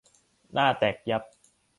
หน้าแตกยับ !